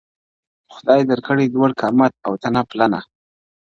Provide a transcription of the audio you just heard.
خدای درکړی لوړ قامت او تنه پلنه-